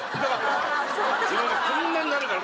こんなになるから。